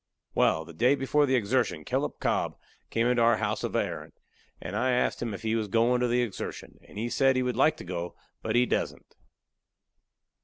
Wal, the day before the exertion Kellup Cobb come into our house of a errant, and I asked him if he was goin' to the exertion; and he said he would like to go, but he dassent.